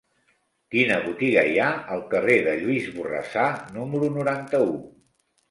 Quina botiga hi ha al carrer de Lluís Borrassà número noranta-u?